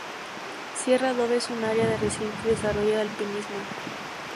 Sierra Adobe es un área de reciente desarrollo de alpinismo.